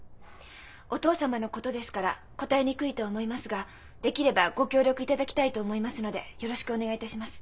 お父様のことですから答えにくいとは思いますができればご協力いただきたいと思いますのでよろしくお願いいたします。